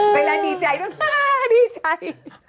เวลาดีใจดีใจ